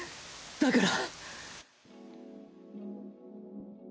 だから。